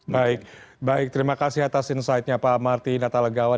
baik baik terima kasih atas insightnya pak marty natalegawa